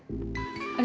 あれ？